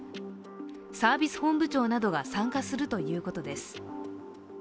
サービス本部長などが参加するということです。